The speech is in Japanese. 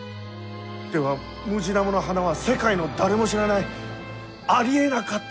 ではムジナモの花は世界の誰も知らないありえなかったはずの花！